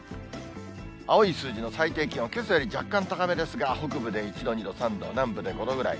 青い数字の最低気温、けさより若干高めですが、北部で１度、２度、３度、南部で５度くらい。